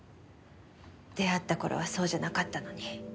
出会った頃はそうじゃなかったのに。